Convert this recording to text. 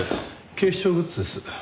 警視庁グッズです。